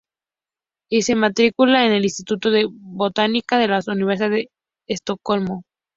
Y se matricula en el "Instituto de Botánica", de la Universidad de Estocolmo.